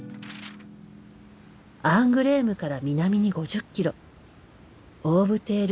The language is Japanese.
アングレームから南に５０キロ。